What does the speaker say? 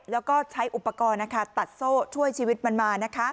แล้วก็ใช้อุปกรณ์ตัดโซ่ช่วยชีวิตมันมา